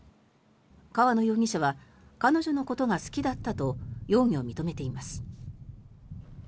河野容疑者は彼女のことが好きだったと容疑を認めています。